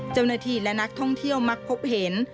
เจ้าหน้าที่และนักท่องเที่ยวมักพบเห็น